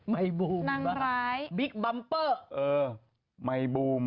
ไม่บูมนางร้ายบิ๊กบัมเปอร์เออไม่บูม